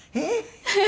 えっ！